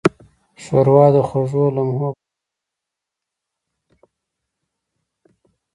ښوروا د خوږو لمحو برخه ده.